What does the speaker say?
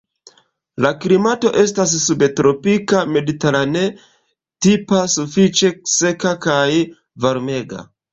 La klimato estas subtropika mediterane-tipa, sufiĉe seka kaj varmega.